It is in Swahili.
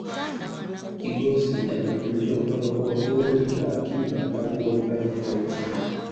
kigosi imebadilishwa kutoka kuwa pori la akiba mpaka kuwa hifadhi ya taifa